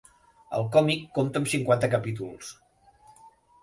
El còmic compta amb cinquanta capítols.